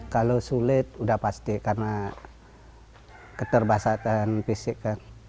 kalau sulit sudah pasti karena keterbasatan fisik